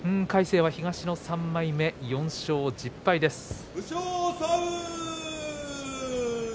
魁聖は東の３枚目４勝１０敗です。